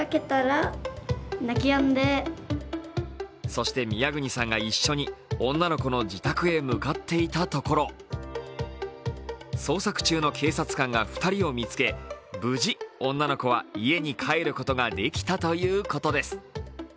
そして宮國さんが一緒に女の子の自宅へ向かっていたところ捜索中の警察官が２人を見つけ、無事、女の子は家に帰ることができたということです。